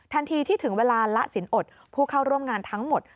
ทันทีที่ถึงเวลาละสินอดผู้เข้าร่วมงานทั้งหมด